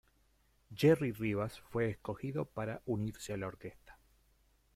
Jerry Rivas fue escogido para unirse a la orquesta.